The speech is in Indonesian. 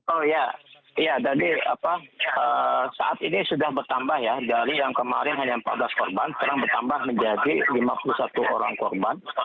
oh ya tadi saat ini sudah bertambah ya dari yang kemarin hanya empat belas korban sekarang bertambah menjadi lima puluh satu orang korban